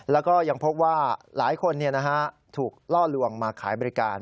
แล้วก็ยังพบว่าหลายคนถูกล่อลวงมาขายบริการ